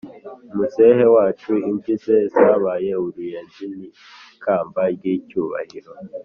muzehe wacu imvi ze zabaye uruyenzi ni ikamba ry’icyubahiro,